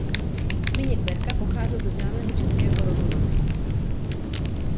Zbyněk Berka pocházel ze známého českého rodu Ronovců.